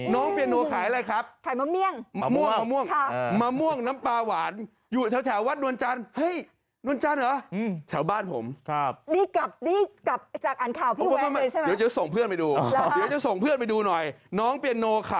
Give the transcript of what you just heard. น้องเปียโนขายอะไรครับถ่ายมะเมี่ยง